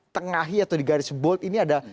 tengahi atau di garis board ini ada